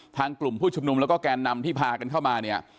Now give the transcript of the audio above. กลุ่มผู้ชุมนุมแล้วก็แกนนำที่พากันเข้ามาเนี่ย